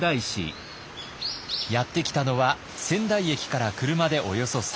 やって来たのは仙台駅から車でおよそ３０分。